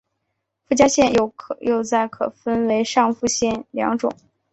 附加线又再可分为上附加线两种。